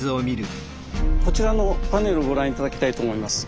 こちらのパネルご覧頂きたいと思います。